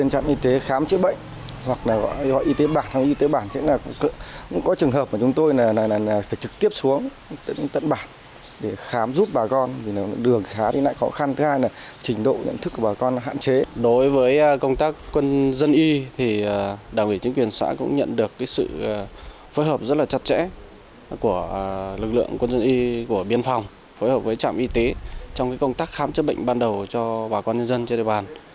rất là chặt chẽ của lực lượng quân dân y của biên phòng phối hợp với trạm y tế trong công tác khám chữa bệnh ban đầu cho bà con nhân dân trên đề bàn